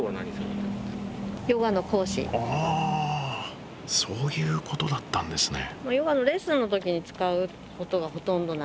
あそういうことだったんですね。